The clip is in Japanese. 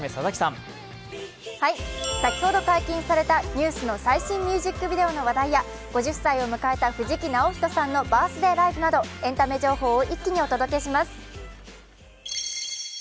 先ほど解禁されたＮＥＷＳの最新ミュージックビデオの話題や５０歳を迎えた藤木直人さんのバースデーライブなどエンタメ情報を一気にお届けします。